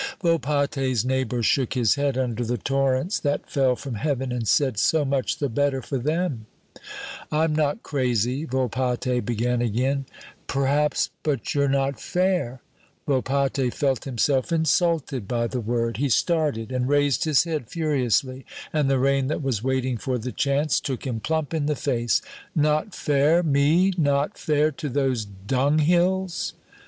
Volpatte's neighbor shook his head under the torrents that fell from heaven and said, "So much the better for them." "I'm not crazy " Volpatte began again. "P'raps, but you're not fair." Volpatte felt himself insulted by the word. He started, and raised his head furiously, and the rain, that was waiting for the chance, took him plump in the face. "Not fair me? Not fair to those dung hills?"